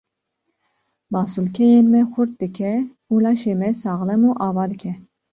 Masûlkeyên me xurt dike û laşê me saxlem û ava dike.